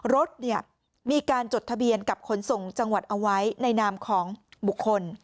รถมีการจดทะเบียนกับขนส่งจังหวัดเอาไว้ในนามของบุคคล